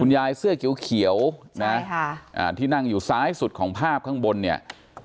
คุณยายเสื้อเกี่ยวเขียวใช่ค่ะอ่าที่นั่งอยู่ซ้ายสุดของภาพข้างบนเนี้ย